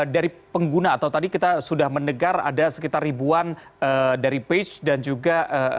dari pengguna atau tadi kita sudah mendengar ada sekitar ribuan dari page dan juga